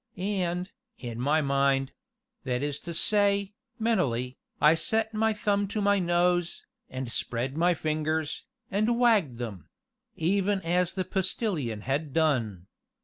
And, in my mind that is to say, mentally I set my thumb to my nose, and spread my fingers, and wagged them even as the Postilion had done.